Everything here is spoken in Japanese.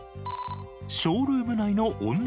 ショールーム内の女